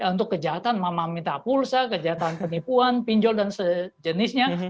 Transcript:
untuk kejahatan mama minta pulsa kejahatan penipuan pinjol dan sejenisnya